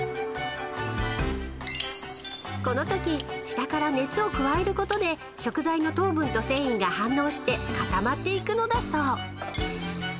［このとき下から熱を加えることで食材の糖分と繊維が反応して固まっていくのだそう］